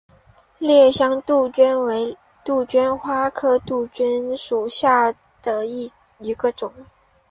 烈香杜鹃为杜鹃花科杜鹃花属下的一个种。